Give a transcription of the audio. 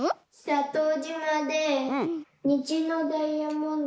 さとうじまでにじのダイヤモンドとか。